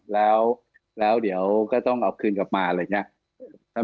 แล้วเดี๋ยวก็ต้องเอาคืนกลับมาอะไรอย่างนี้